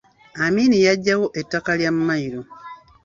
Amin yaggyawo ettaka lya Mailo.